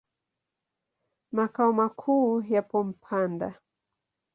Makao makuu yako Mpanda.